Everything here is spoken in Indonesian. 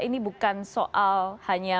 ini bukan soal hanya